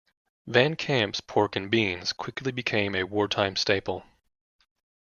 Van Camp's pork and beans quickly became a wartime staple.